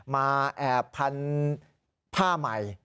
มาแอบพันผ้าใหม่